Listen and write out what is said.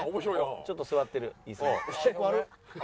ちょっと座ってる椅子に。